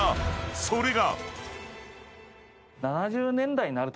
それが］